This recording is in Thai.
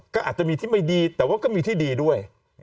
ก็อาจจะมีที่ไม่ดีแต่ว่าก็มีที่ดีด้วย